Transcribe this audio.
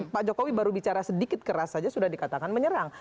pak jokowi baru bicara sedikit keras saja sudah dikatakan menyerang